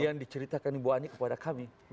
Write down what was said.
yang diceritakan ibu ani kepada kami